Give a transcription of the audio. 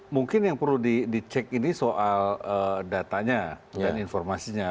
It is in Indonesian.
mungkin yang perlu dicek ini soal datanya dan informasinya